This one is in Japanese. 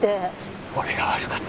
なあ俺が悪かった。